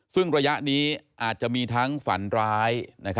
ซึ่งระยะนี้อาจจะมีทั้งฝันร้าย